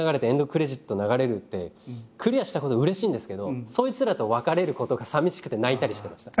クレジット流れるってクリアしたことはうれしいんですけどそいつらと別れることがさみしくて泣いたりしてました。